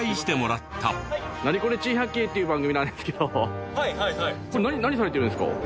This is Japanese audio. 『ナニコレ珍百景』っていう番組なんですけどこれ何されてるんですか？